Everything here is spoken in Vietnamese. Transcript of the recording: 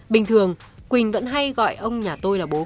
bình thường quỳnh vẫn hay gọi ông nhà tôi là bố mẹ